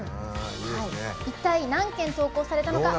一体何件投稿されたのか。